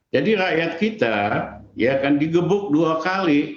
jadi rakyat kita ya kan digugur dua kali